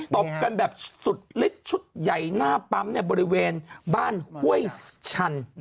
ตบกันแบบสุดลิดชุดใหญ่หน้าปั๊มบริเวณบ้านห้วยชัน